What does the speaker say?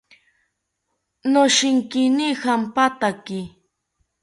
Noshinkini jampataki